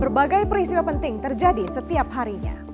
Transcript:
berbagai peristiwa penting terjadi setiap harinya